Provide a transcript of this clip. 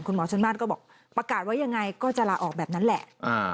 หมอชนมาสก็บอกประกาศไว้ยังไงก็จะลาออกแบบนั้นแหละ